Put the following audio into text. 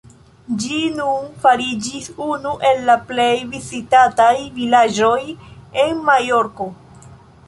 Ĝi nun fariĝis unu el la plej vizitataj vilaĝoj en Majorko.